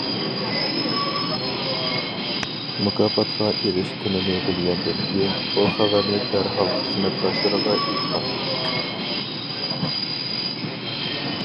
مۇكاپاتقا ئېرىشكىنىنى بىلگەندىن كېيىن، بۇ خەۋەرنى دەرھال خىزمەتداشلىرىغا ئېيتقان.